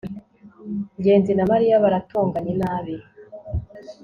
ngenzi na mariya baratonganye nabi